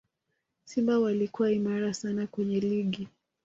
simba walikuwa imara sana kwenye ligi